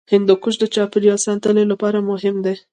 هندوکش د چاپیریال ساتنې لپاره مهم دی.